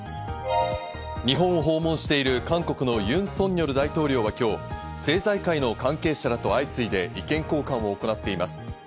日本を訪問している韓国のユン・ソンニョル大統領が今日、政財界の関係者らと相次いで意見交換を行っています。